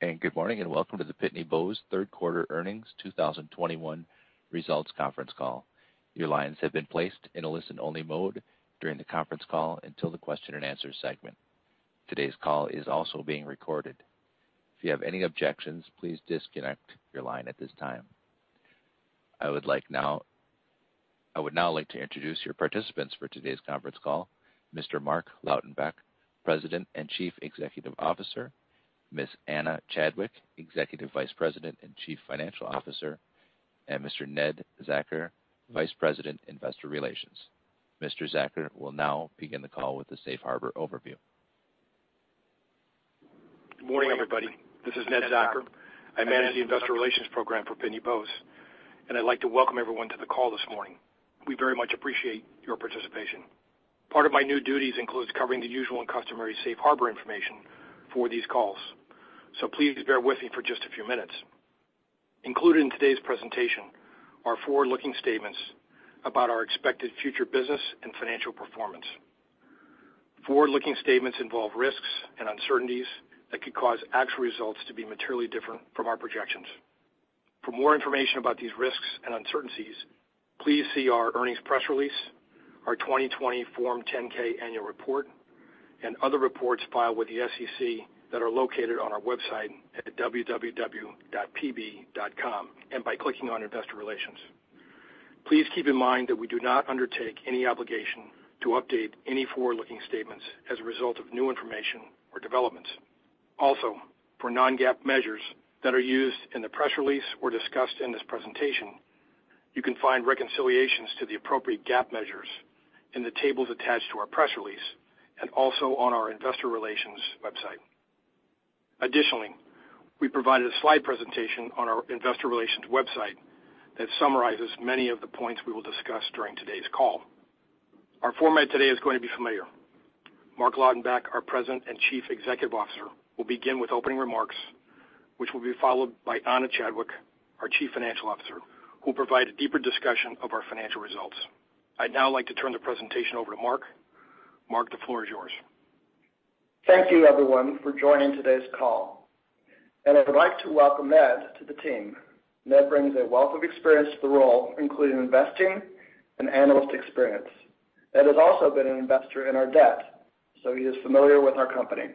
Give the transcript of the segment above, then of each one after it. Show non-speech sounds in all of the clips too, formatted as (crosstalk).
Good morning, and welcome to the Pitney Bowes Third Quarter 2021 Earnings Results Conference Call. Your lines have been placed in a listen-only mode during the conference call until the question-and-answer segment. Today's call is also being recorded. If you have any objections, please disconnect your line at this time. I would now like to introduce your participants for today's conference call, Mr. Marc Lautenbach, President and Chief Executive Officer, Ms. Ana Chadwick, Executive Vice President and Chief Financial Officer, and Mr. Ned Zachar, Vice President, Investor Relations. Mr. Zachar will now begin the call with the Safe Harbor overview. Good morning, everybody. This is Ned Zachar. I manage the investor relations program for Pitney Bowes, and I'd like to welcome everyone to the call this morning. We very much appreciate your participation. Part of my new duties includes covering the usual and customary Safe Harbor information for these calls, so please bear with me for just a few minutes. Included in today's presentation are forward-looking statements about our expected future business and financial performance. Forward-looking statements involve risks and uncertainties that could cause actual results to be materially different from our projections. For more information about these risks and uncertainties, please see our earnings press release, our 2020 Form 10-K annual report, and other reports filed with the SEC that are located on our website at www.pb.com, and by clicking on Investor Relations. Please keep in mind that we do not undertake any obligation to update any forward-looking statements as a result of new information or developments. Also, for non-GAAP measures that are used in the press release or discussed in this presentation, you can find reconciliations to the appropriate GAAP measures in the tables attached to our press release, and also on our investor relations website. Additionally, we provided a slide presentation on our investor relations website that summarizes many of the points we will discuss during today's call. Our format today is going to be familiar. Marc Lautenbach, our President and Chief Executive Officer, will begin with opening remarks, which will be followed by Ana Chadwick, our Chief Financial Officer, who will provide a deeper discussion of our financial results. I'd now like to turn the presentation over to Marc. Marc, the floor is yours. Thank you, everyone, for joining today's call. I would like to welcome Ned to the team. Ned brings a wealth of experience to the role, including investing and analyst experience. Ned has also been an investor in our debt, so he is familiar with our company.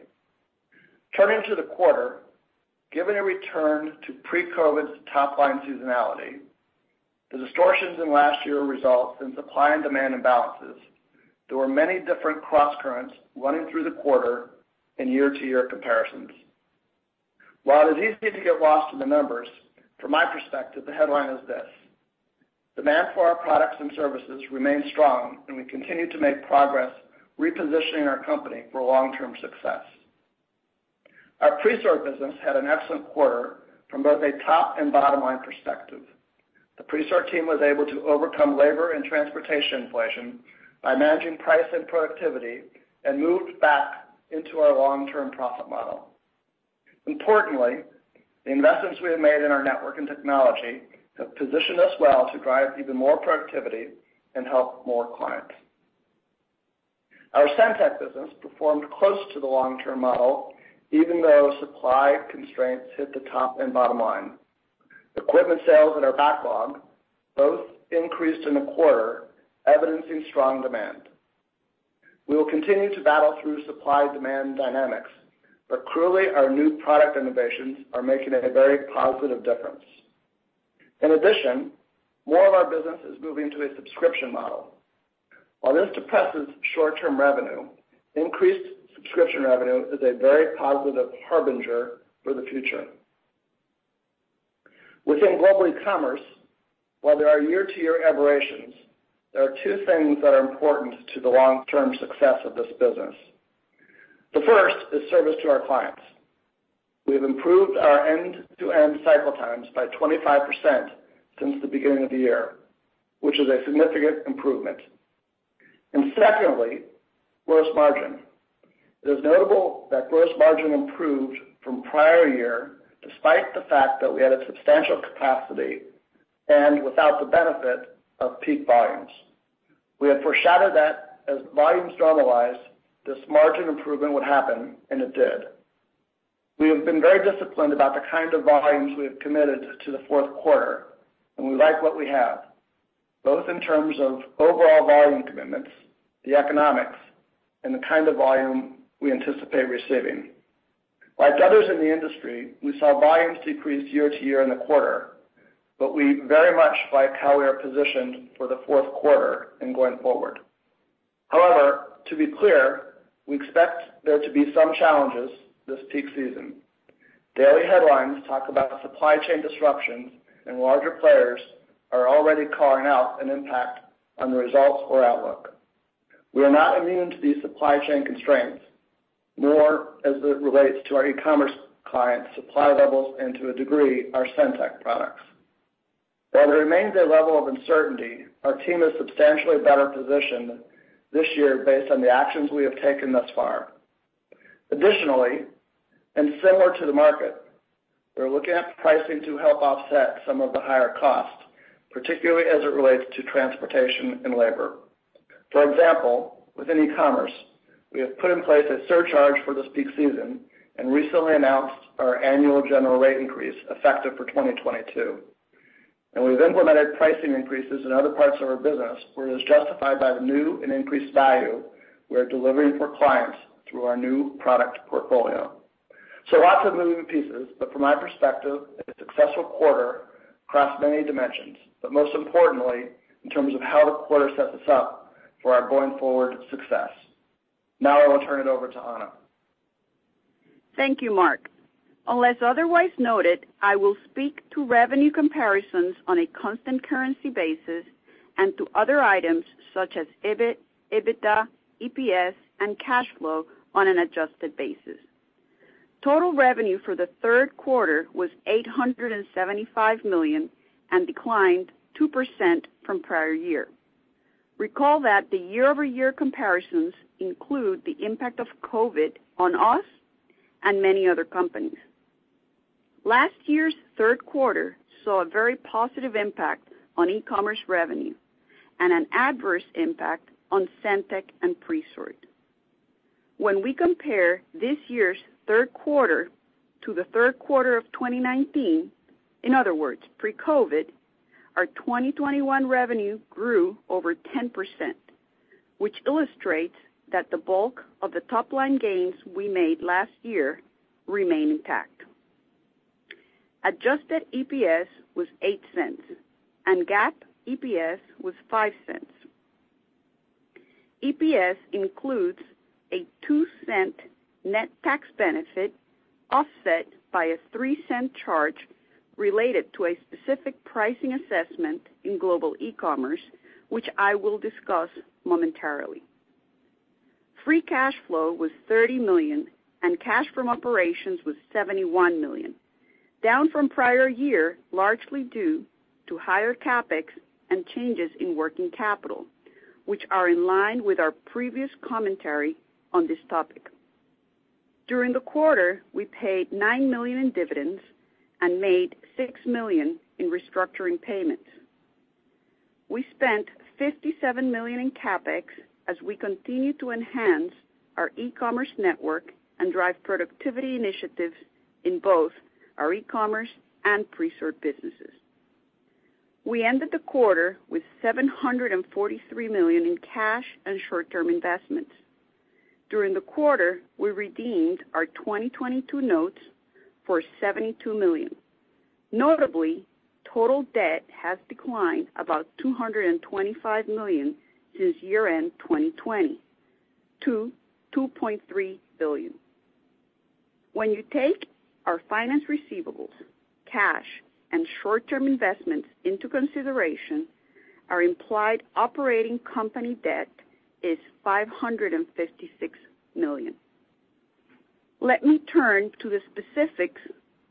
Turning to the quarter, given a return to pre-COVID's top-line seasonality, the distortions in last year results in supply and demand imbalances. There were many different crosscurrents running through the quarter in year-to-year comparisons. While it is easy to get lost in the numbers, from my perspective, the headline is this. Demand for our products and services remains strong, and we continue to make progress repositioning our company for long-term success. Our Presort business had an excellent quarter from both a top and bottom-line perspective. The Presort team was able to overcome labor and transportation inflation by managing price and productivity and moved back into our long-term profit model. Importantly, the investments we have made in our network and technology have positioned us well to drive even more productivity and help more clients. Our SendTech business performed close to the long-term model, even though supply constraints hit the top and bottom line. Equipment sales in our backlog both increased in the quarter, evidencing strong demand. We will continue to battle through supply-demand dynamics, but clearly, our new product innovations are making a very positive difference. In addition, more of our business is moving to a subscription model. While this depresses short-term revenue, increased subscription revenue is a very positive harbinger for the future. Within global commerce, while there are year-to-year aberrations, there are two things that are important to the long-term success of this business. The first is service to our clients. We have improved our end-to-end cycle times by 25% since the beginning of the year, which is a significant improvement. Secondly, gross margin. It is notable that gross margin improved from prior year despite the fact that we had a substantial capacity and without the benefit of peak volumes. We had foreshadowed that as volumes normalize, this margin improvement would happen, and it did. We have been very disciplined about the kind of volumes we have committed to the fourth quarter, and we like what we have, both in terms of overall volume commitments, the economics, and the kind of volume we anticipate receiving. Like others in the industry, we saw volumes decrease year-over-year in the quarter, but we very much like how we are positioned for the fourth quarter and going forward. However, to be clear, we expect there to be some challenges this peak season. Daily headlines talk about supply chain disruptions, and larger players are already calling out an impact on the results or outlook. We are not immune to these supply chain constraints, nor as it relates to our e-commerce clients' supply levels and to a degree, our SendTech products. While there remains a level of uncertainty, our team is substantially better positioned this year based on the actions we have taken thus far. Additionally, similar to the market, we're looking at pricing to help offset some of the higher costs, particularly as it relates to transportation and labor. For example, within e-commerce, we have put in place a surcharge for this peak season and recently announced our annual general rate increase effective for 2022. We've implemented pricing increases in other parts of our business where it is justified by the new and increased value we are delivering for clients through our new product portfolio. Lots of moving pieces, but from my perspective, a successful quarter across many dimensions, but most importantly, in terms of how the quarter sets us up for our going forward success. Now I will turn it over to Ana. Thank you, Marc. Unless otherwise noted, I will speak to revenue comparisons on a constant currency basis and to other items such as EBIT, EBITDA, EPS, and cash flow on an adjusted basis. Total revenue for the third quarter was $875 million and declined 2% from prior year. Recall that the year-over-year comparisons include the impact of COVID on us and many other companies. Last year's third quarter saw a very positive impact on e-commerce revenue and an adverse impact on SendTech and Presort. When we compare this year's third quarter to the third quarter of 2019, in other words, pre-COVID, our 2021 revenue grew over 10%, which illustrates that the bulk of the top-line gains we made last year remain intact. Adjusted EPS was $0.08, and GAAP EPS was $0.05. EPS includes a $0.02 net tax benefit offset by a $0.03 charge related to a specific pricing assessment in global e-commerce, which I will discuss momentarily. Free cash flow was $30 million, and cash from operations was $71 million, down from prior year, largely due to higher CapEx and changes in working capital, which are in line with our previous commentary on this topic. During the quarter, we paid $9 million in dividends and made $6 million in restructuring payments. We spent $57 million in CapEx as we continue to enhance our e-commerce network and drive productivity initiatives in both our e-commerce and Presort businesses. We ended the quarter with $743 million in cash and short-term investments. During the quarter, we redeemed our 2022 notes for $72 million. Notably, total debt has declined about $225 million since year-end 2020 to $2.3 billion. When you take our finance receivables, cash, and short-term investments into consideration, our implied operating company debt is $556 million. Let me turn to the specifics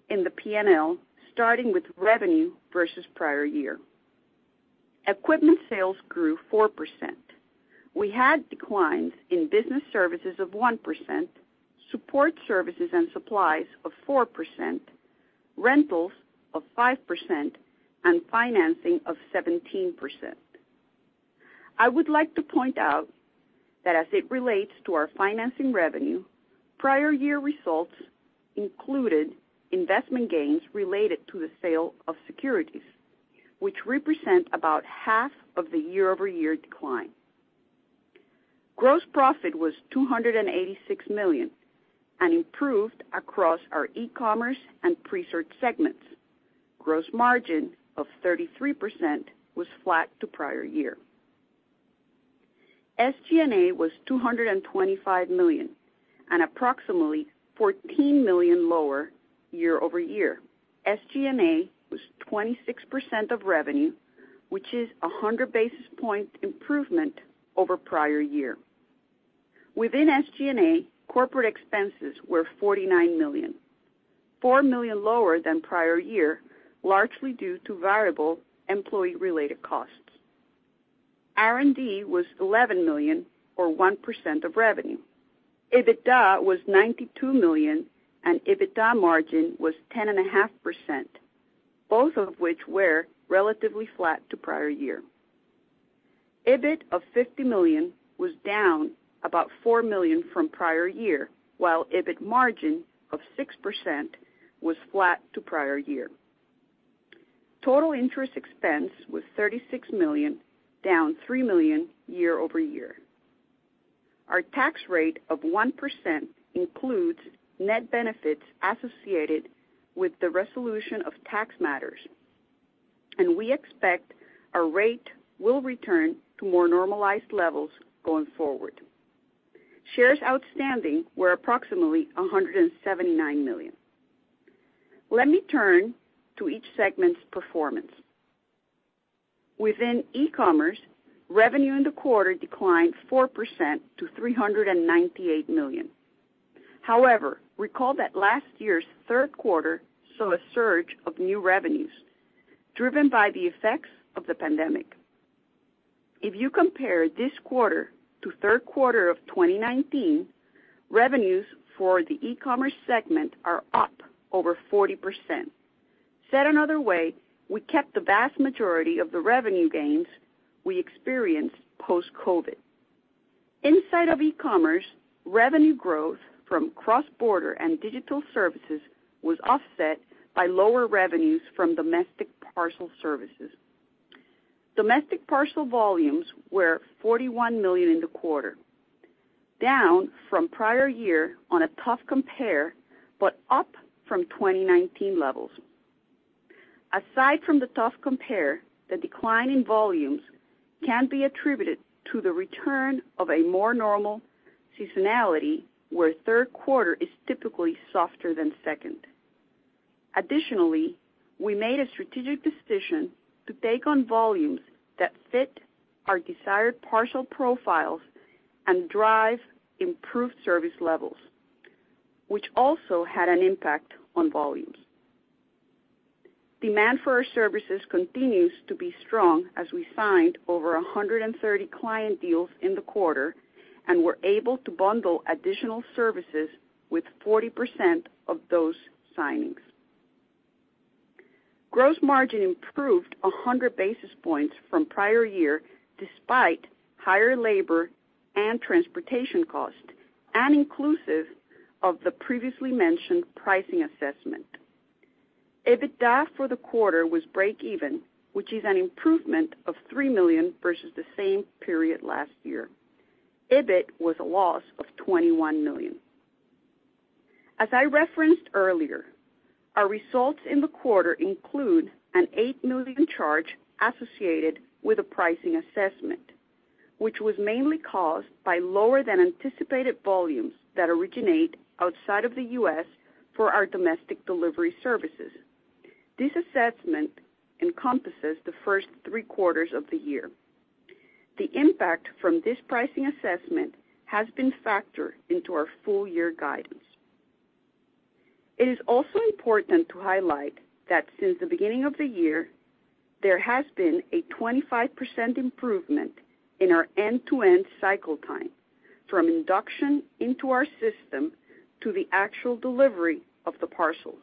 in the P&L, starting with revenue versus prior year. Equipment sales grew 4%. We had declines in business services of 1%, support services and supplies of 4%, rentals of 5%, and financing of 17%. I would like to point out that as it relates to our financing revenue, prior year results included investment gains related to the sale of securities, which represent about half of the year-over-year decline. Gross profit was $286 million and improved across our e-commerce and Presort segments. Gross margin of 33% was flat to prior year. SG&A was $225 million and approximately $14 million lower year-over-year. SG&A was 26% of revenue, which is a 100 basis point improvement over prior year. Within SG&A, corporate expenses were $49 million, $4 million lower than prior year, largely due to variable employee-related costs. R&D was $11 million or 1% of revenue. EBITDA was $92 million, and EBITDA margin was 10.5%, both of which were relatively flat to prior year. EBIT of $50 million was down about $4 million from prior year, while EBIT margin of 6% was flat to prior year. Total interest expense was $36 million, down $3 million year-over-year. Our tax rate of 1% includes net benefits associated with the resolution of tax matters, and we expect our rate will return to more normalized levels going forward. Shares outstanding were approximately 179 million. Let me turn to each segment's performance. Within e-commerce, revenue in the quarter declined 4% to $398 million. However, recall that last year's third quarter saw a surge of new revenues driven by the effects of the pandemic. If you compare this quarter to third quarter of 2019, revenues for the e-commerce segment are up over 40%. Said another way, we kept the vast majority of the revenue gains we experienced post-COVID. Inside of e-commerce, revenue growth from cross-border and digital services was offset by lower revenues from domestic parcel services. Domestic parcel volumes were 41 million in the quarter, down from prior year on a tough compare, but up from 2019 levels. Aside from the tough compare, the decline in volumes can be attributed to the return of a more normal seasonality, where third quarter is typically softer than second. Additionally, we made a strategic decision to take on volumes that fit our desired partial profiles and drive improved service levels, which also had an impact on volumes. Demand for our services continues to be strong as we signed over 130 client deals in the quarter and were able to bundle additional services with 40% of those signings. Gross margin improved 100 basis points from prior year, despite higher labor and transportation costs and inclusive of the previously mentioned pricing assessment. EBITDA for the quarter was break even, which is an improvement of $3 million versus the same period last year. EBIT was a loss of $21 million. As I referenced earlier, our results in the quarter include a $8 million charge associated with a pricing assessment, which was mainly caused by lower than anticipated volumes that originate outside of the U.S. for our domestic delivery services. This assessment encompasses the first three quarters of the year. The impact from this pricing assessment has been factored into our full year guidance. It is also important to highlight that since the beginning of the year, there has been a 25% improvement in our end-to-end cycle time, from induction into our system to the actual delivery of the parcels.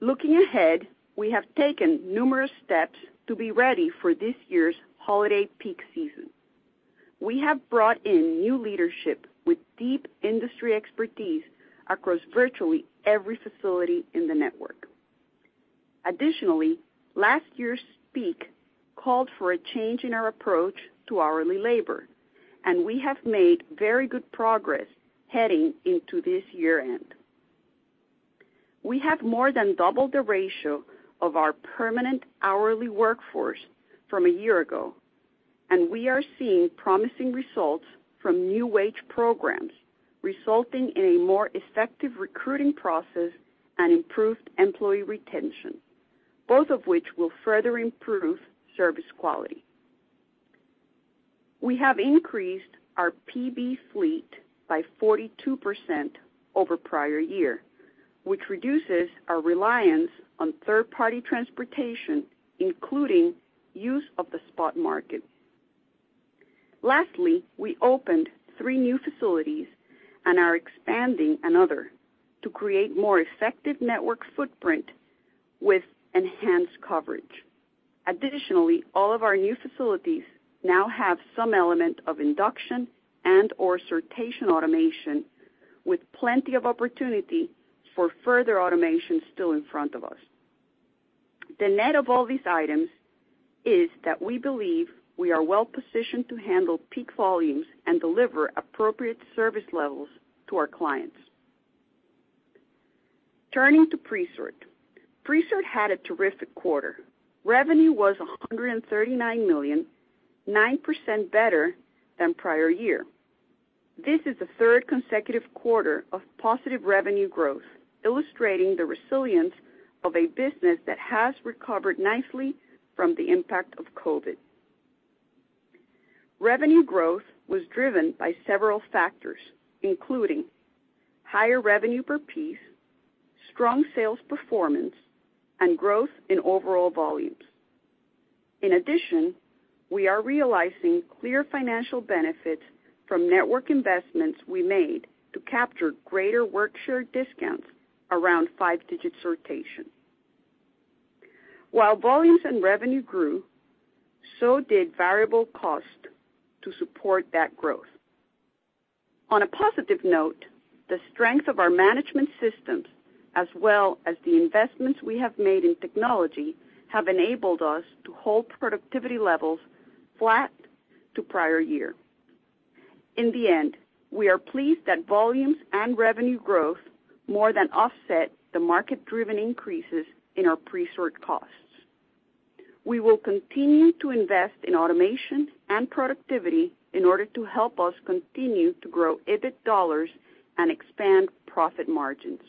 Looking ahead, we have taken numerous steps to be ready for this year's holiday peak season. We have brought in new leadership with deep industry expertise across virtually every facility in the network. Additionaly, last year's peak called for a change in our approach to hourly labor, and we have made very good progress heading into this year-end. We have more than doubled the ratio of our permanent hourly workforce from a year ago, and we are seeing promising results from new wage programs, resulting in a more effective recruiting process and improved employee retention, both of which will further improve service quality. We have increased our PB fleet by 42% over prior year, which reduces our reliance on third-party transportation, including use of the spot market. Lastly, we opened three new facilities and are expanding another to create more effective network footprint with enhanced coverage. All of our new facilities now have some element of induction and/or sortation automation, with plenty of opportunity for further automation still in front of us. The net of all these items is that we believe we are well-positioned to handle peak volumes and deliver appropriate service levels to our clients. Turning to Presort. Presort had a terrific quarter. Revenue was $139 million, 9% better than prior year. This is the third consecutive quarter of positive revenue growth, illustrating the resilience of a business that has recovered nicely from the impact of COVID. Revenue growth was driven by several factors, including higher revenue per piece, strong sales performance, and growth in overall volumes. In addition, we are realizing clear financial benefits from network investments we made to capture greater work share discounts around five-digit sortation. While volumes and revenue grew, so did variable cost to support that growth. On a positive note, the strength of our management systems, as well as the investments we have made in technology, have enabled us to hold productivity levels flat to prior year. In the end, we are pleased that volumes and revenue growth more than offset the market-driven increases in our Presort costs. We will continue to invest in automation and productivity in order to help us continue to grow EBIT dollars and expand profit margins.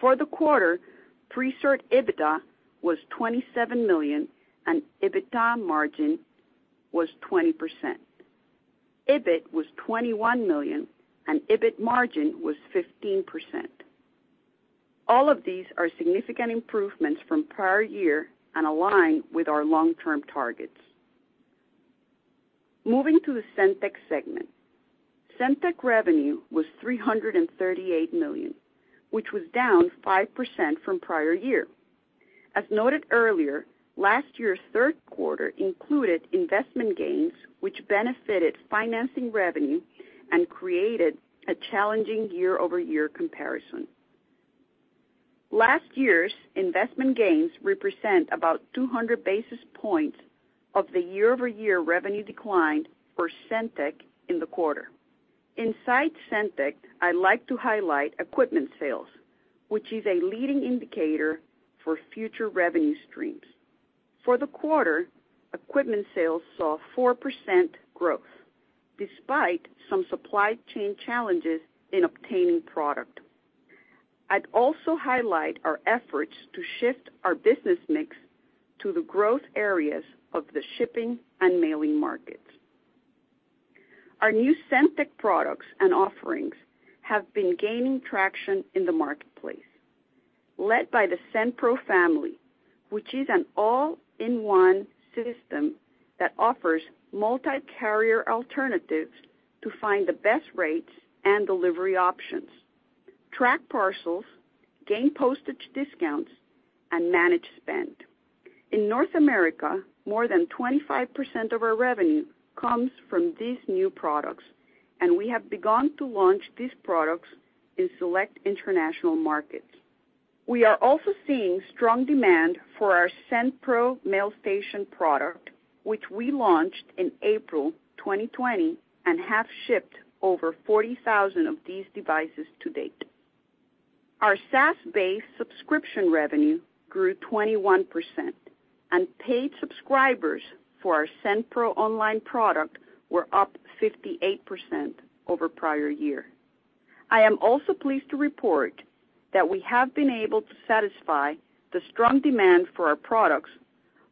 For the quarter, Presort EBITDA was $27 million and EBITDA margin was 20%. EBIT was $21 million, and EBIT margin was 15%. All of these are significant improvements from prior year and align with our long-term targets. Moving to the SendTech segment. SendTech revenue was $338 million, which was down 5% from prior year. As noted earlier, last year's third quarter included investment gains, which benefited financing revenue and created a challenging year-over-year comparison. Last year's investment gains represent about 200 basis points of the year-over-year revenue decline for SendTech in the quarter. Inside SendTech, I'd like to highlight equipment sales, which is a leading indicator for future revenue streams. For the quarter, equipment sales saw 4% growth despite some supply chain challenges in obtaining product. I'd also highlight our efforts to shift our business mix to the growth areas of the shipping and mailing markets. Our new SendTech products and offerings have been gaining traction in the marketplace, led by the SendPro family, which is an all-in-one system that offers multi-carrier alternatives to find the best rates and delivery options, track parcels, gain postage discounts, and manage spend. In North America, more than 25% of our revenue comes from these new products, and we have begun to launch these products in select international markets. We are also seeing strong demand for our SendPro Mailstation product, which we launched in April 2020 and have shipped over 40,000 of these devices to date. Our SaaS-based subscription revenue grew 21%, and paid subscribers for our SendPro Online product were up 58% over prior year. I am also pleased to report that we have been able to satisfy the strong demand for our products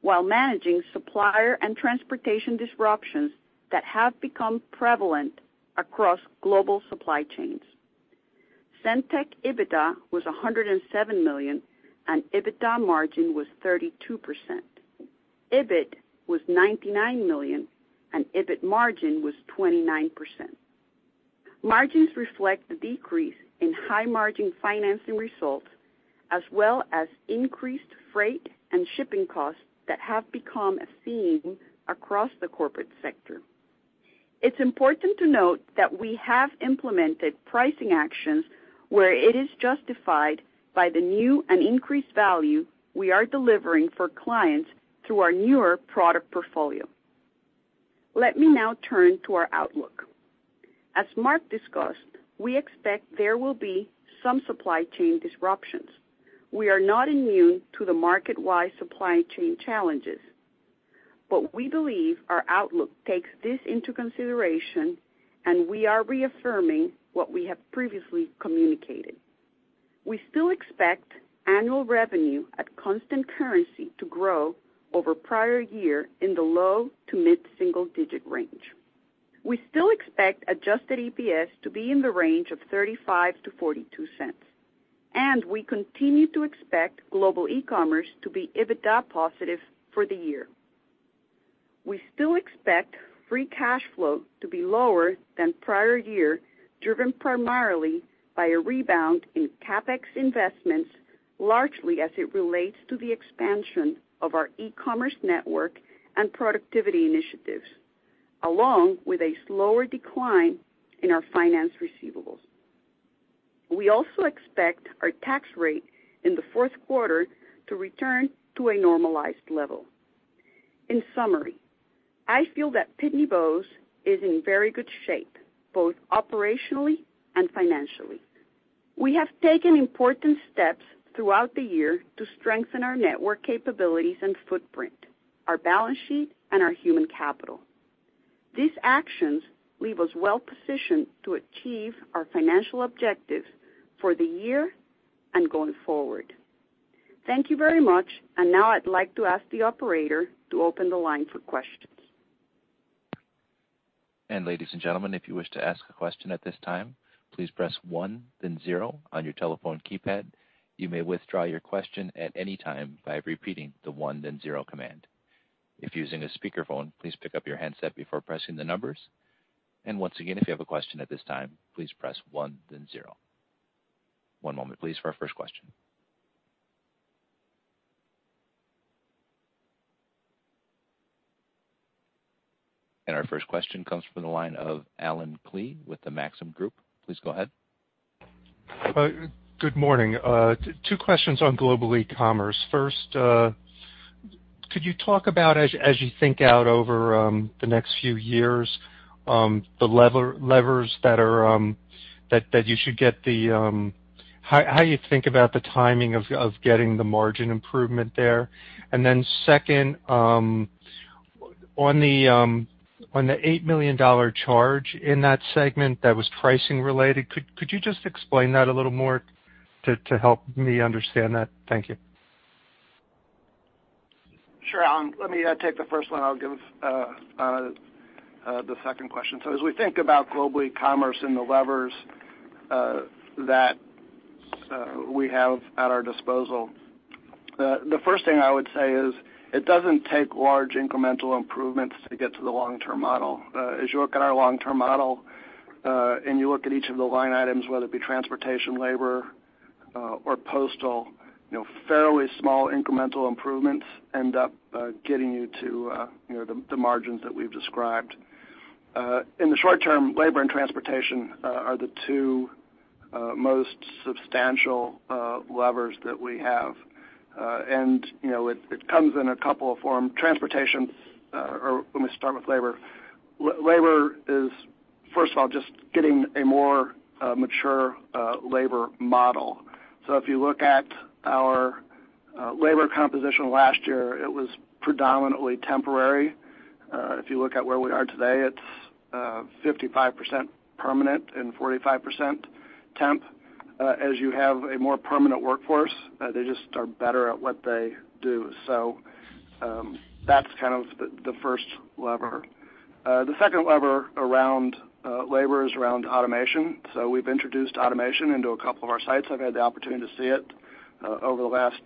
while managing supplier and transportation disruptions that have become prevalent across global supply chains. SendTech EBITDA was $107 million, and EBITDA margin was 32%. EBIT was $99 million, and EBIT margin was 29%. Margins reflect the decrease in high-margin financing results, as well as increased freight and shipping costs that have become a theme across the corporate sector. It's important to note that we have implemented pricing actions where it is justified by the new and increased value we are delivering for clients through our newer product portfolio. Let me now turn to our outlook. As Marc discussed, we expect there will be some supply chain disruptions. We are not immune to the market-wide supply chain challenges, but we believe our outlook takes this into consideration, and we are reaffirming what we have previously communicated. We still expect annual revenue at constant currency to grow over prior year in the low to mid-single digit range. We still expect adjusted EPS to be in the range of $0.35-$0.42, and we continue to expect global e-commerce to be EBITDA positive for the year. We still expect free cash flow to be lower than prior year, driven primarily by a rebound in CapEx investments, largely as it relates to the expansion of our e-commerce network and productivity initiatives, along with a slower decline in our finance receivables. We also expect our tax rate in the fourth quarter to return to a normalized level. In summary, I feel that Pitney Bowes is in very good shape, both operationally and financially. We have taken important steps throughout the year to strengthen our network capabilities and footprint, our balance sheet, and our human capital. These actions leave us well-positioned to achieve our financial objectives for the year and going forward. Thank you very much. Now I'd like to ask the operator to open the line for questions. And ladies and gentlemen if you wish to ask a question at this time, please press one then zero on your telephone keypad. You may withdraw your question at any time by repeating one then zero command. If using speaker phone, please pick up your headset before pressing the numbers, and once again, if you have a question at this time, please press one then zero. One moment for please for a our first question. Our first question comes from the line of Allen Klee with the Maxim Group. Please go ahead. Good morning. Two questions on global e-commerce. First, could you talk about as you think out over the next few years, the levers that you should get the how you think about the timing of getting the margin improvement there? Second, on the $8 million charge in that segment that was pricing related, could you just explain that a little more to help me understand that? Thank you. Sure, Allen, let me take the first one. I'll give the second question. As we think about global commerce and the levers that we have at our disposal, the first thing I would say is it doesn't take large incremental improvements to get to the long-term model. As you look at our long-term model and you look at each of the line items, whether it be transportation, labor, or postal, you know, fairly small incremental improvements end up getting you to you know, the margins that we've described. In the short term, labor and transportation are the two most substantial levers that we have. You know, it comes in a couple of forms. Transportation, or let me start with labor. Labor is, first of all, just getting a more mature labor model. If you look at our labor composition last year, it was predominantly temporary. If you look at where we are today, it's 55% permanent and 45% temp. As you have a more permanent workforce, they just are better at what they do. That's kind of the first lever. The second lever around labor is around automation. We've introduced automation into a couple of our sites. I've had the opportunity to see it over the last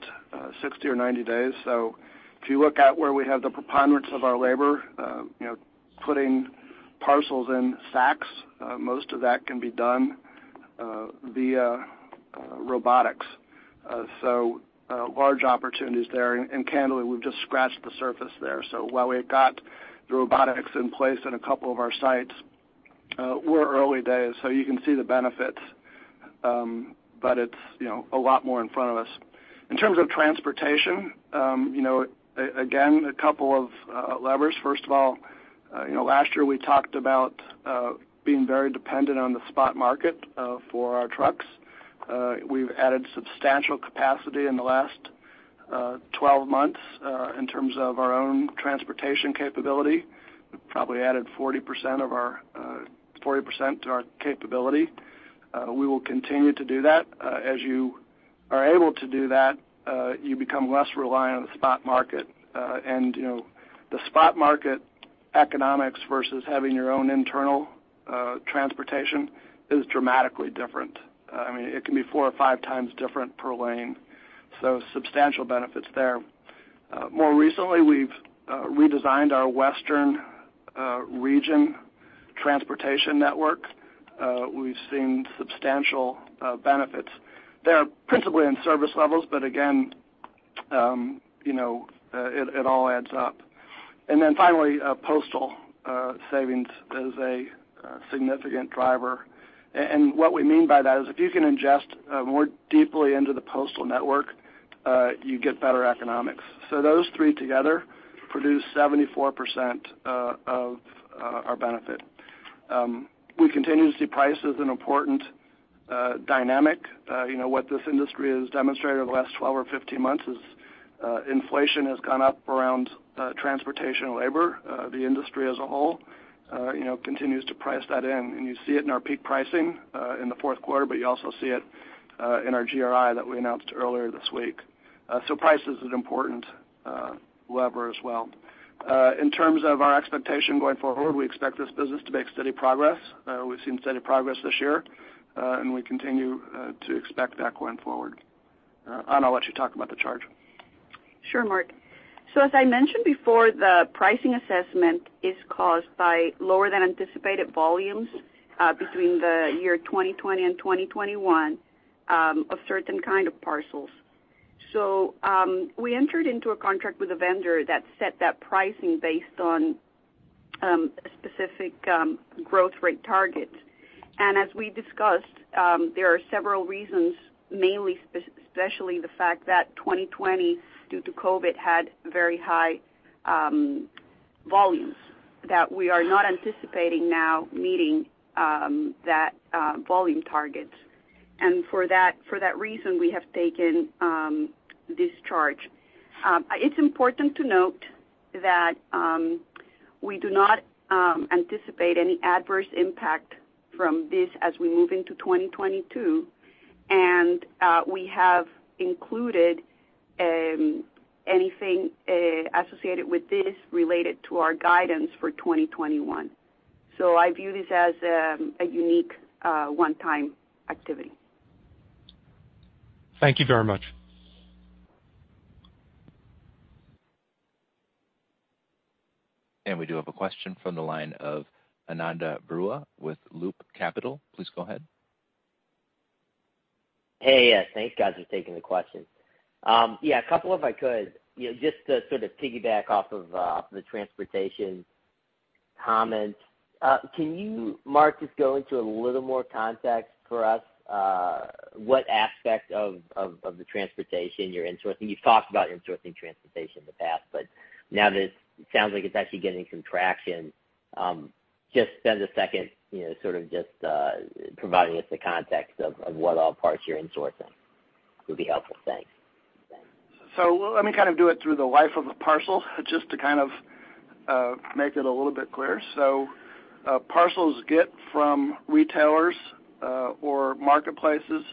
60 or 90 days. If you look at where we have the preponderance of our labor, you know, putting parcels in sacks, most of that can be done via robotics. Large opportunities there. Candidly, we've just scratched the surface there. While we've got the robotics in place in a couple of our sites, we're early days, so you can see the benefits. It's, you know, a lot more in front of us. In terms of transportation, you know, again, a couple of levers. First of all, you know, last year, we talked about being very dependent on the spot market for our trucks. We've added substantial capacity in the last 12 months in terms of our own transportation capability. We've probably added 40% to our capability. We will continue to do that. As you are able to do that, you become less reliant on the spot market. You know, the spot market economics versus having your own internal transportation is dramatically different. I mean, it can be four or five times different per lane, so substantial benefits there. More recently, we've redesigned our Western region transportation network. We've seen substantial benefits. They are principally in service levels, but again, you know, it all adds up. Then finally, postal savings is a significant driver. What we mean by that is if you can ingest more deeply into the postal network, you get better economics. Those three together produce 74% of our benefit. We continue to see price as an important dynamic. You know, what this industry has demonstrated over the last 12 or 15 months is, inflation has gone up around, transportation and labor. The industry as a whole, you know, continues to price that in. You see it in our peak pricing, in the fourth quarter, but you also see it, in our GRI that we announced earlier this week. Price is an important lever as well. In terms of our expectation going forward, we expect this business to make steady progress. We've seen steady progress this year, and we continue to expect that going forward. Ana, I'll let you talk about the charge. Sure, Marc. As I mentioned before, the pricing assessment is caused by lower than anticipated volumes between the year 2020 and 2021 of certain kind of parcels. We entered into a contract with a vendor that set that pricing based on a specific growth rate target. As we discussed, there are several reasons, mainly, especially the fact that 2020, due to COVID, had very high volumes that we are not anticipating now meeting that volume target. For that reason, we have taken this charge. It's important to note that we do not anticipate any adverse impact from this as we move into 2022, and we have included anything associated with this related to our guidance for 2021. I view this as a unique one-time activity. Thank you very much. We do have a question from the line of Ananda Baruah with Loop Capital. Please go ahead. Hey, yes. Thanks, guys, for taking the question. Yeah, a couple if I could. You know, just to sort of piggyback off of the transportation comments, can you, Marc, just go into a little more context for us, what aspect of the transportation you're insourcing? You've talked about insourcing transportation in the past, but now that it sounds like it's actually getting some traction, just spend a second, you know, sort of just providing us the context of what all parts you're insourcing would be helpful. Thanks. Let me kind of do it through the life of a parcel just to kind of make it a little bit clearer. Parcels get from retailers or marketplaces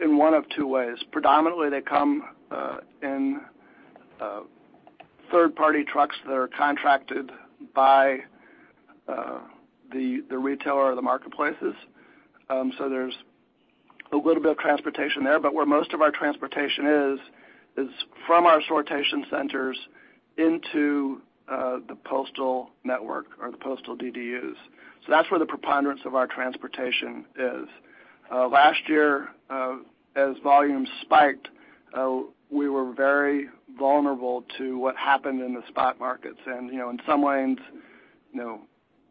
in one of two ways. Predominantly, they come in third-party trucks that are contracted by the retailer or the marketplaces. There's a little bit of transportation there, but where most of our transportation is from our sortation centers into the postal network or the postal DDUs. That's where the preponderance of our transportation is. Last year, as volume spiked, we were very vulnerable to what happened in the spot markets. You know, in some lanes, you know,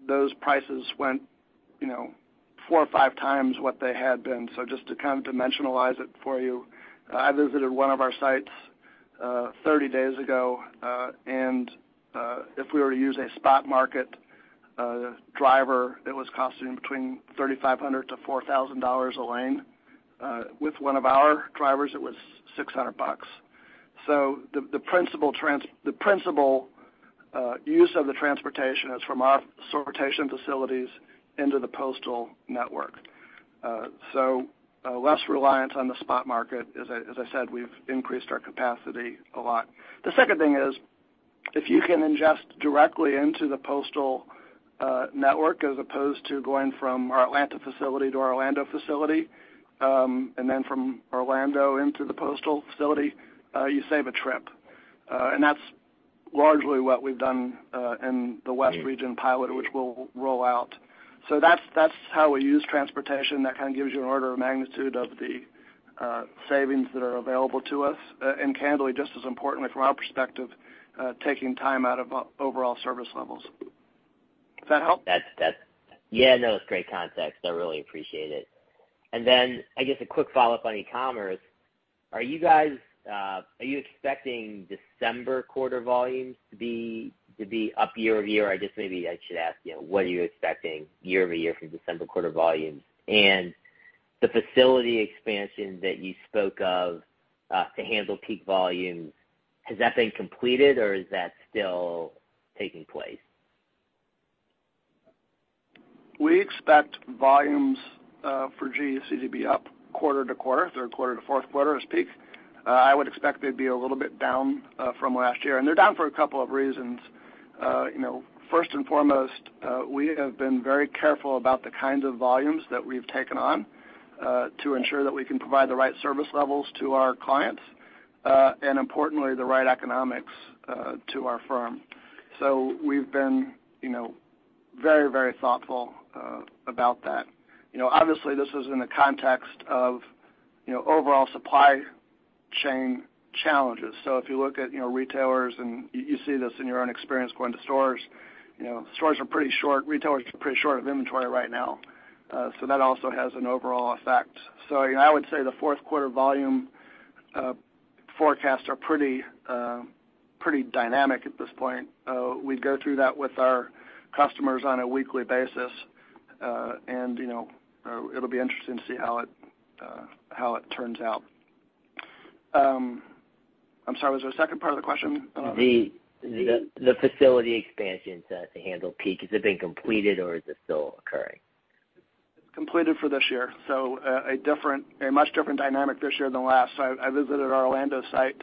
those prices went, you know, four or five times what they had been. Just to kind of dimensionalize it for you, I visited one of our sites 30 days ago, and if we were to use a spot market driver, it was costing between $3,500-$4,000 a lane. With one of our drivers, it was $600 bucks. The principal use of the transportation is from our sortation facilities into the postal network. Less reliance on the spot market. As I said, we've increased our capacity a lot. The second thing is, if you can ingest directly into the postal network as opposed to going from our Atlanta facility to our Orlando facility, and then from Orlando into the postal facility, you save a trip. That's largely what we've done in the west region pilot, which we'll roll out. That's how we use transportation. That kind of gives you an order of magnitude of the savings that are available to us. Candidly, just as importantly from our perspective, taking time out of overall service levels. Does that help? That's yeah, no, it's great context. I really appreciate it. I guess a quick follow-up on e-commerce. Are you guys expecting December quarter volumes to be up year-over-year? I guess maybe I should ask you, what are you expecting year-over-year for December quarter volumes? The facility expansion that you spoke of to handle peak volumes, has that been completed or is that still taking place? We expect volumes for GEC to be up quarter to quarter, third quarter to fourth quarter as peak. I would expect they'd be a little bit down from last year. They're down for a couple of reasons. You know, first and foremost, we have been very careful about the kinds of volumes that we've taken on to ensure that we can provide the right service levels to our clients and importantly, the right economics to our firm. We've been very, very thoughtful about that. You know, obviously, this is in the context of overall supply chain challenges. If you look at retailers and you see this in your own experience going to stores, you know, stores are pretty short, retailers are pretty short of inventory right now. That also has an overall effect. You know, I would say the fourth quarter volume forecasts are pretty dynamic at this point. We go through that with our customers on a weekly basis. You know, it'll be interesting to see how it turns out. I'm sorry, was there a second part of the question? The facility expansion to handle peak has it been completed or is it still occurring? Completed for this year. A much different dynamic this year than last. I visited our Orlando site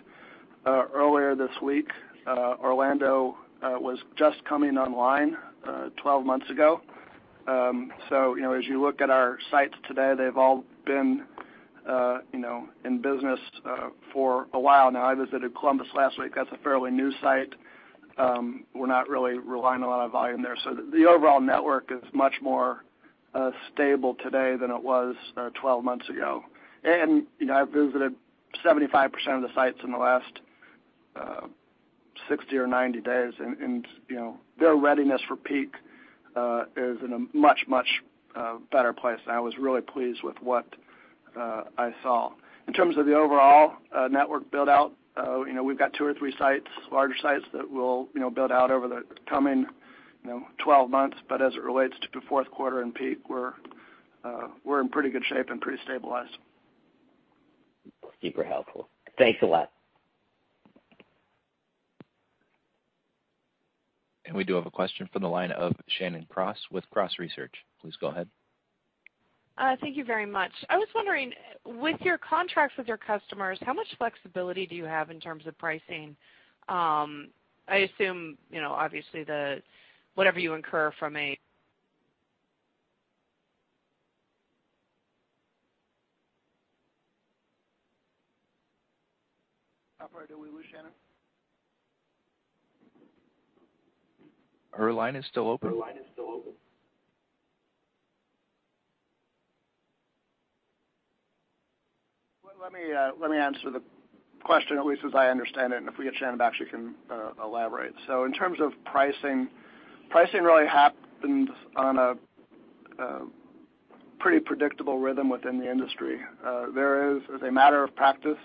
earlier this week. Orlando was just coming online 12 months ago. You know, as you look at our sites today, they've all been, you know, in business for a while now. I visited Columbus last week. That's a fairly new site. We're not really relying a lot of volume there. The overall network is much more stable today than it was 12 months ago. You know, I've visited 75% of the sites in the last 60 or 90 days, and you know, their readiness for peak is in a much better place. I was really pleased with what I saw. In terms of the overall, network build-out, you know, we've got two or three sites, larger sites, that we'll, you know, build out over the coming, you know, 12 months. As it relates to the fourth quarter and peak, we're in pretty good shape and pretty stabilized. Super helpful. Thanks a lot. We do have a question from the line of Shannon Cross with Cross Research. Please go ahead. Thank you very much. I was wondering, with your contracts with your customers, how much flexibility do you have in terms of pricing? I assume, you know, obviously whatever you incur from a- Operator, did we lose Shannon? Her line is still open. Let me answer the question at least as I understand it, and if we get Shannon back, she can elaborate. In terms of pricing really happens on a pretty predictable rhythm within the industry. There is, as a matter of practice,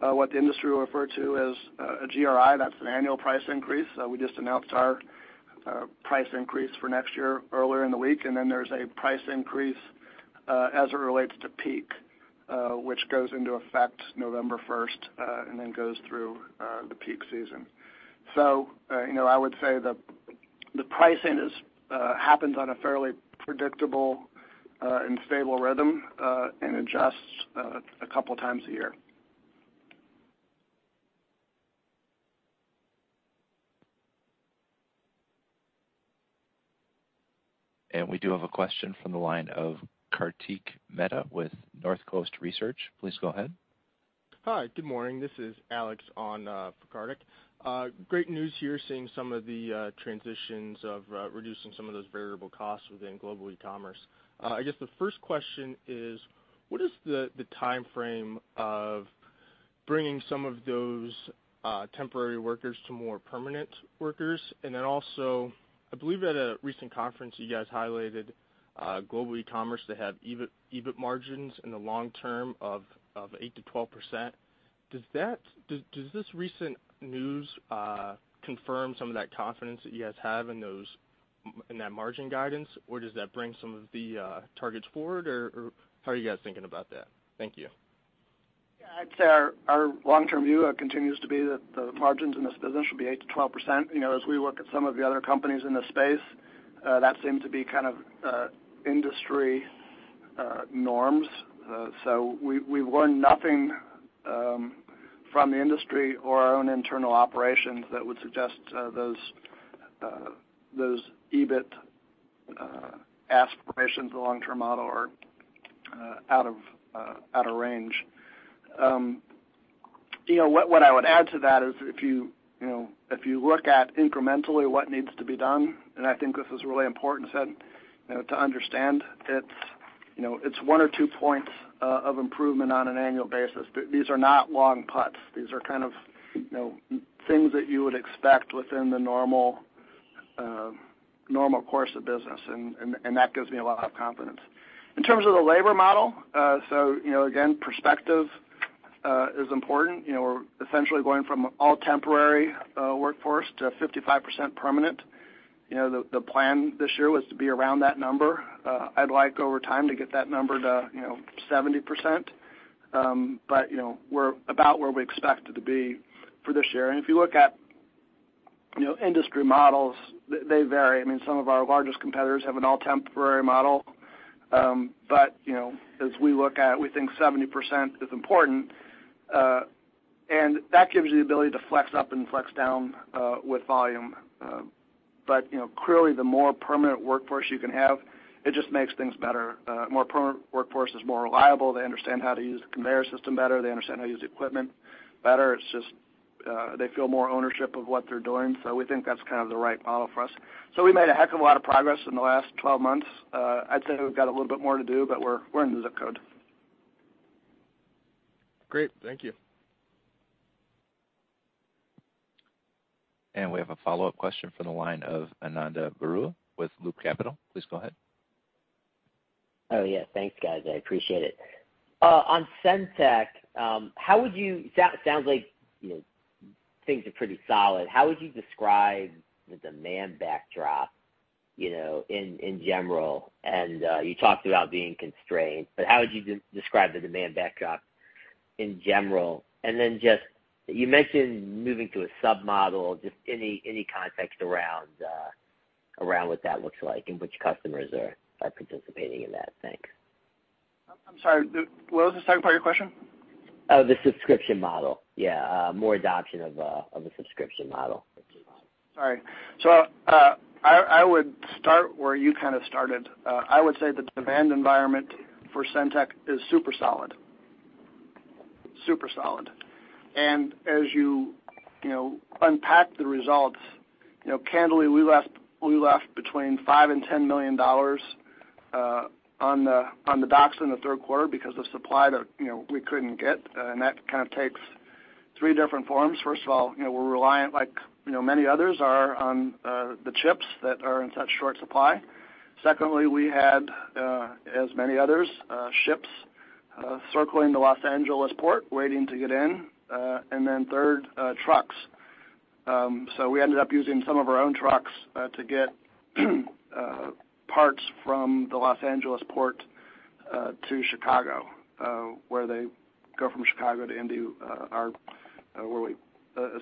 what the industry will refer to as a GRI, that's an annual price increase. We just announced our annual price increase for next year earlier in the week, and then there's a price increase as it relates to peak, which goes into effect November first and then goes through the peak season. You know, I would say the pricing happens on a fairly predictable and stable rhythm and adjusts a couple of times a year. We do have a question from the line of Kartik Mehta with Northcoast Research. Please go ahead. Hi, good morning. This is Alex on for Kartik. Great news here, seeing some of the transitions of reducing some of those variable costs within Global Ecommerce. I guess the first question is: What is the timeframe of bringing some of those temporary workers to more permanent workers? Then also, I believe at a recent conference, you guys highlighted Global Ecommerce to have EBIT margins in the long term of 8%-12%. Does this recent news confirm some of that confidence that you guys have in that margin guidance? Or does that bring some of the targets forward? Or how are you guys thinking about that? Thank you. Yeah, I'd say our long-term view continues to be that the margins in this business should be 8%-12%. You know, as we look at some of the other companies in the space, that seems to be kind of industry norms. So we've learned nothing from the industry or our own internal operations that would suggest those EBIT aspirations or long-term model are out of range. You know, what I would add to that is if you look at incrementally what needs to be done, and I think this is really important (inaudible) to understand, that it's 1 or 2 points of improvement on an annual basis. These are not long putts. These are kind of, you know, things that you would expect within the normal course of business, and that gives me a lot of confidence. In terms of the labor model, so, you know, again, perspective is important. You know, we're essentially going from all temporary workforce to 55% permanent. You know, the plan this year was to be around that number. I'd like over time to get that number to, you know, 70%. But, you know, we're about where we expected to be for this year. If you look at, you know, industry models, they vary. I mean, some of our largest competitors have an all-temporary model. But, you know, as we look at, we think 70% is important. And that gives the ability to flex up and flex down with volume. You know, clearly, the more permanent workforce you can have, it just makes things better. A more permanent workforce is more reliable. They understand how to use the conveyor system better. They understand how to use equipment better. It's just, they feel more ownership of what they're doing. We think that's kind of the right model for us. We made a heck of a lot of progress in the last 12 months. I'd say we've got a little bit more to do, but we're in the zip code. Great. Thank you. We have a follow-up question from the line of Ananda Baruah with Loop Capital. Please go ahead. Oh, yeah. Thanks, guys. I appreciate it. On SendTech, how would you sounds like, you know, things are pretty solid. How would you describe the demand backdrop, you know, in general? You talked about being constrained, but how would you describe the demand backdrop in general? Then just, you mentioned moving to a SaaS model, just any context around what that looks like and which customers are participating in that? Thanks. I'm sorry. What was the second part of your question? The subscription model. More adoption of a subscription model. Right, so I would start where you kind of started. I would say the demand environment for SendTech is super solid. As you know, unpack the results, you know, candidly, we left between $5 million and $10 million on the docks in the third quarter because of supply that, you know, we couldn't get, and that kind of takes three different forms. First of all, you know, we're reliant, like, you know, many others are on the chips that are in such short supply. Secondly, we had, as many others, ships circling the Los Angeles port, waiting to get in. And then third, trucks. We ended up using some of our own trucks to get parts from the Los Angeles port to Chicago, where they go from Chicago to, (inaudible) our where we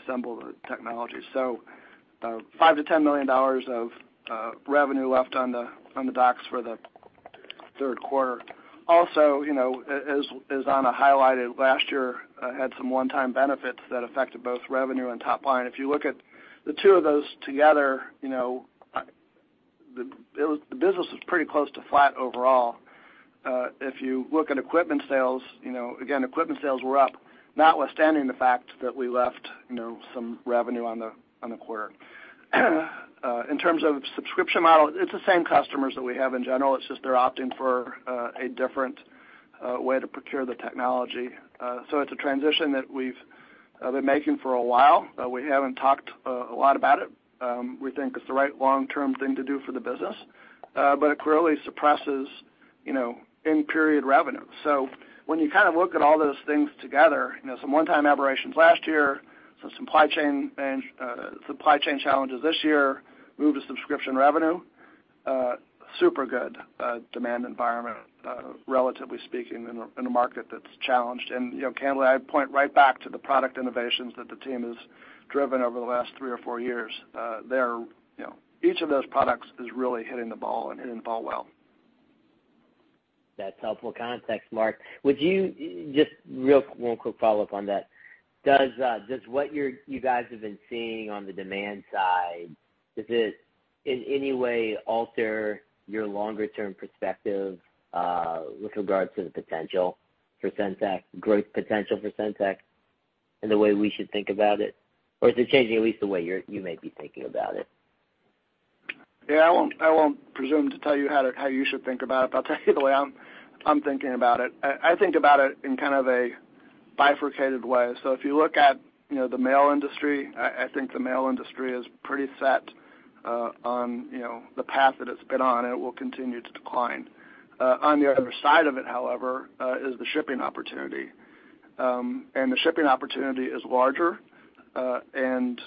assemble the technology. $5 million-$10 million of revenue left on the docks for the third quarter. Also, you know, as Ana highlighted, last year had some one-time benefits that affected both revenue and top line. If you look at the two of those together, you know, the business was pretty close to flat overall. If you look at equipment sales, you know, again, equipment sales were up, notwithstanding the fact that we left, you know, some revenue on the quarter. In terms of subscription model, it's the same customers that we have in general. It's just they're opting for a different way to procure the technology. It's a transition that we've been making for a while. We haven't talked a lot about it. We think it's the right long-term thing to do for the business. But it clearly suppresses, you know, in period revenue. When you kind of look at all those things together, you know, some one-time aberrations last year, some supply chain challenges this year, move to subscription revenue, super good demand environment, relatively speaking in a market that's challenged. You know, candidly, I'd point right back to the product innovations that the team has driven over the last three or four years. They're, you know, each of those products is really hitting the ball and hitting the ball well. That's helpful context, Marc. One quick follow-up on that. Does what you guys have been seeing on the demand side does it in any way alter your longer-term perspective, with regards to the potential for SendTech, growth potential for SendTech in the way we should think about it? Or is it changing at least the way you may be thinking about it? Yeah. I won't presume to tell you how you should think about it, but I'll tell you the way I'm thinking about it. I think about it in kind of a bifurcated way. If you look at, you know, the mail industry, I think the mail industry is pretty set on, you know, the path that it's been on, and it will continue to decline. On the other side of it, however, is the shipping opportunity. The shipping opportunity is larger and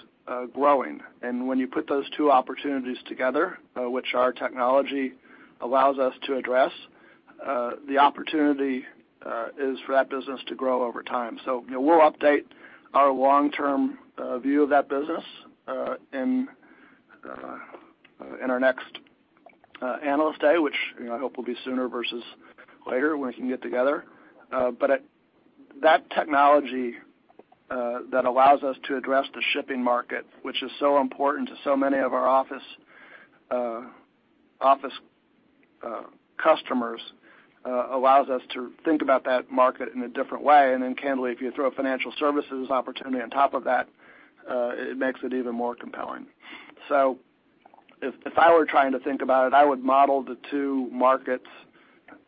growing. When you put those two opportunities together, which our technology allows us to address, the opportunity is for that business to grow over time. You know, we'll update our long-term view of that business in our next analyst day, which, you know, I hope will be sooner versus later when we can get together. That technology that allows us to address the shipping market, which is so important to so many of our office customers, allows us to think about that market in a different way. Candidly, if you throw a financial services opportunity on top of that, it makes it even more compelling. If I were trying to think about it, I would model the two markets,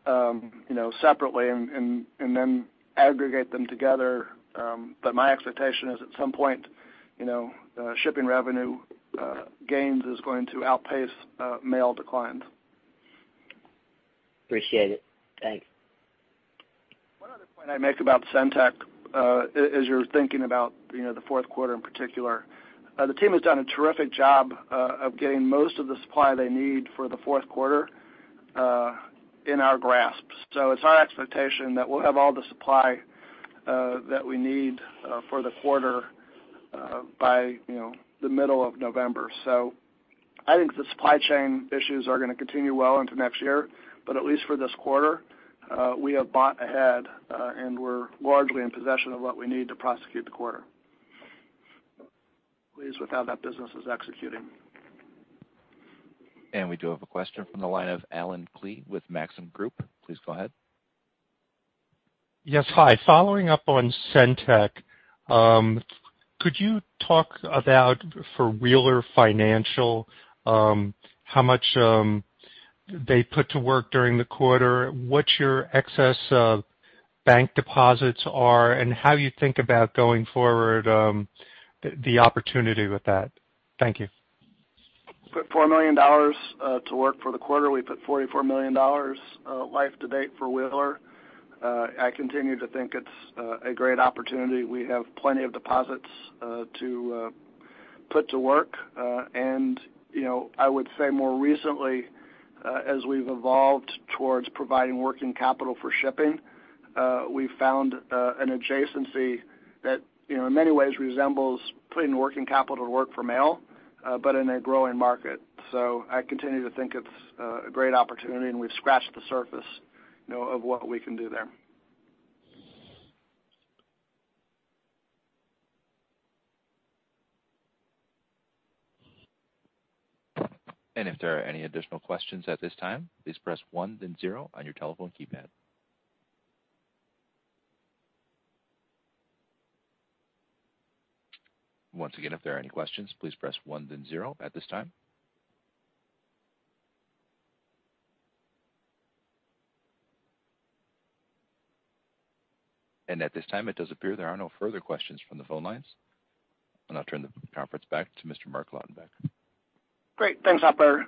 you know, separately and then aggregate them together. My expectation is at some point, you know, shipping revenue gains is going to outpace mail declines. Appreciate it. Thanks. One other point I'd make about SendTech, as you're thinking about, you know, the fourth quarter in particular. The team has done a terrific job of getting most of the supply they need for the fourth quarter in our grasps. It's our expectation that we'll have all the supply that we need for the quarter by, you know, the middle of November. I think the supply chain issues are gonna continue well into next year, but at least for this quarter, we have bought ahead and we're largely in possession of what we need to prosecute the quarter. Pleased with how that business is executing. We do have a question from the line of Allen Klee with Maxim Group. Please go ahead. Yes. Hi. Following up on SendTech, could you talk about for Wheeler Financial, how much they put to work during the quarter? What your excess bank deposits are, and how you think about going forward, the opportunity with that? Thank you. $4 million to work for the quarter. We put $44 million life to date for Wheeler. I continue to think it's a great opportunity. We have plenty of deposits to put to work. You know, I would say more recently, as we've evolved towards providing working capital for shipping, we found an adjacency that, you know, in many ways resembles putting working capital to work for mail, but in a growing market. I continue to think it's a great opportunity, and we've scratched the surface, you know, of what we can do there. If there are any additional questions at this time, please press one then zero on your telephone keypad. Once again, if there are any questions, please press one then zero at this time. At this time, it does appear there are no further questions from the phone lines. I'll turn the conference back to Mr. Marc Lautenbach. Great. Thanks, operator.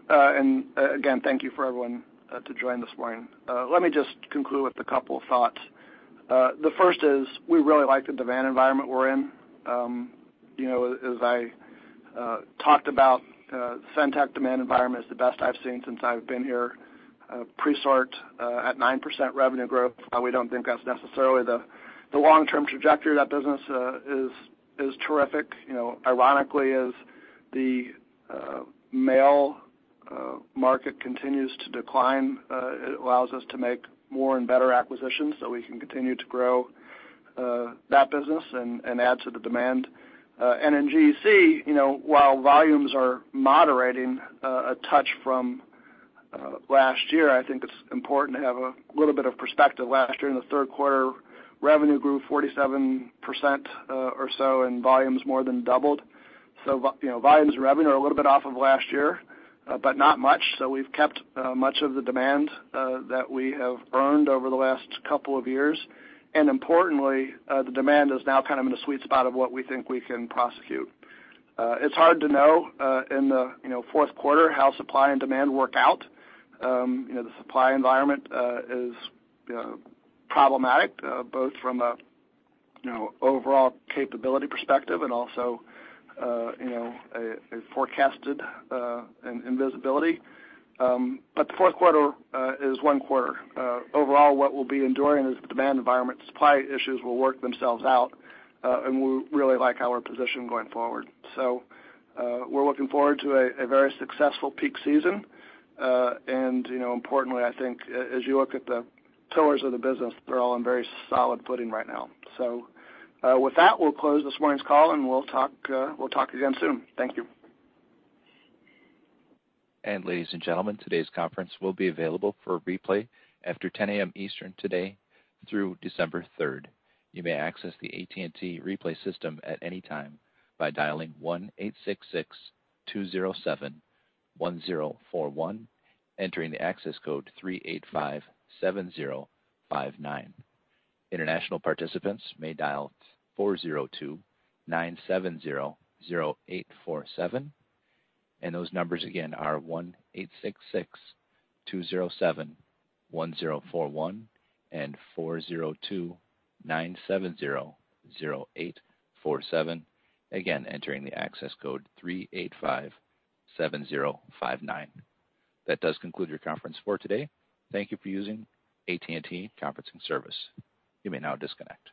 Again, thank you for everyone to join this morning. Let me just conclude with a couple of thoughts. The first is we really like the demand environment we're in. You know, as I talked about, SendTech demand environment is the best I've seen since I've been here. Presort at 9% revenue growth, while we don't think that's necessarily the long-term trajectory of that business, is terrific. You know, ironically, as the mail market continues to decline, it allows us to make more and better acquisitions so we can continue to grow that business and add to the demand. In GEC, you know, while volumes are moderating a touch from last year, I think it's important to have a little bit of perspective. Last year, in the third quarter, revenue grew 47% or so, and volumes more than doubled. You know, volumes and revenue are a little bit off of last year, but not much. We've kept much of the demand that we have earned over the last couple of years. Importantly, the demand is now kind of in the sweet spot of what we think we can prosecute. It's hard to know in the you know, fourth quarter how supply and demand work out. You know, the supply environment is you know, problematic both from a you know, overall capability perspective and also you know, a forecasted in visibility. The fourth quarter is one quarter. Overall, what we'll be enduring is the demand environment. Supply issues will work themselves out, and we really like our position going forward. We're looking forward to a very successful peak season. You know, importantly, I think as you look at the pillars of the business, they're all in very solid footing right now. With that, we'll close this morning's call, and we'll talk again soon. Thank you. Ladies and gentlemen, today's conference will be available for replay after 10:00 A.M. Eastern today through December 3. You may access the AT&T Replay system at any time by dialing 1-866-207-1041, entering the access code 3857059. International participants may dial 402-970-0847. Those numbers again are 1-866-207-1041 and 402-970-0847. Again, entering the access code 3857059. That does conclude your conference for today. Thank you for using AT&T Conferencing service. You may now disconnect.